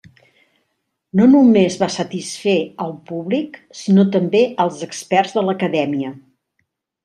No només va satisfer al públic sinó també als experts de l'Acadèmia.